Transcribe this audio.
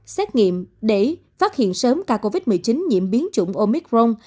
xét nghiệm để phát hiện sớm ca covid một mươi chín nhiễm biến chủng omicron